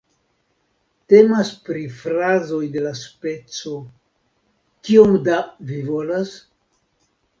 Temas pri frazoj de la speco "Kiom da vi volas?